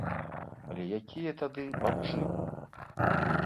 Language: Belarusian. Але якія тады бамжы?